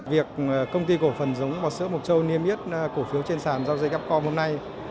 việc công ty cổ phần giống bò sữa mộc châu niêm yết cổ phiếu trên sàn giao dịch upcom hôm nay